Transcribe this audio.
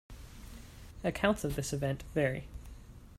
Accounts of this event vary.